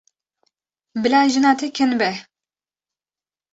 Bila jina te kin be.